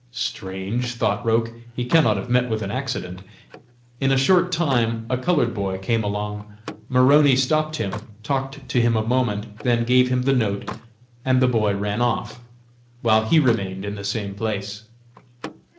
"Strange," thought Roch, "he cannot have met with an accident!" In a short time a colored boy came along. Maroney stopped him, talked to him a moment, then gave him the note and the boy ran off, while he remained in the same place.